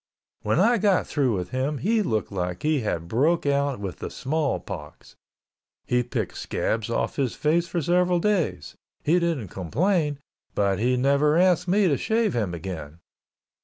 When I got through with him he looked like he had broke out with the small pox. He picked scabs off his face for several days, he didn't complain, but he never asked me to shave him again.